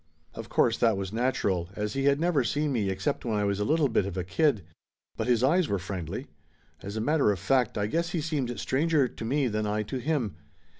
Of course that was natural, as he had never seen me except when I was a little bit of a kid. But his eyes were friendly. As a matter of fact I guess he seemed stranger to me than I to him.